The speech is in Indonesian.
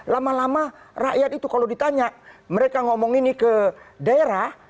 lama lama rakyat itu kalau ditanya mereka ngomong ini ke daerah